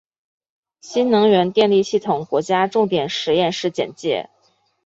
新能源电力系统国家重点实验室简介